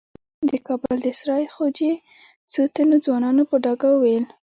د کابل د سرای خوجې څو تنو ځوانانو په ډاګه وويل.